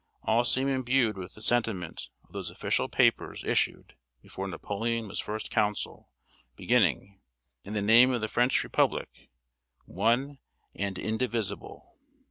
All seemed imbued with the sentiment of those official papers issued before Napoleon was First Consul, beginning, "In the name of the French Republic, one and indivisible."